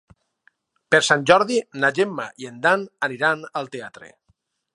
Per Sant Jordi na Gemma i en Dan aniran al teatre.